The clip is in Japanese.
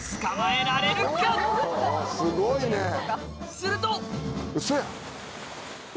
するとえ！